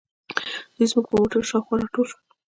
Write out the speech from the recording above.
دوی زموږ پر موټرو شاوخوا راټول شول.